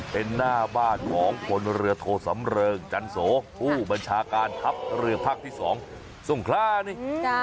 เป็นหน้าบ้านของคนเรือโทสำเริงจันโสผู้บัญชาการทัพเรือภาคที่๒สงครานี่